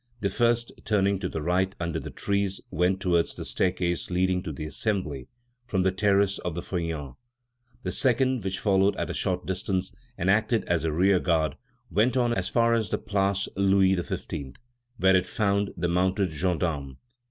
The first, turning to the right under the trees, went towards the staircase leading to the Assembly from the terrace of the Feuillants. The second, which followed at a short distance and acted as a rearguard, went on as far as the Place Louis XV., where it found the mounted gendarmes.